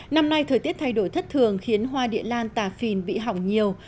năm nay thời tiết thay đổi thất thường khiến hoa địa lan tà phìn bị hỏng nhiều